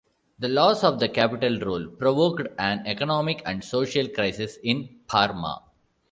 The loss of the capital role provoked an economic and social crisis in Parma.